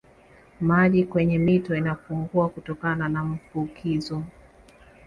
Maji kwenye mito inapungua kutokana na mvukizo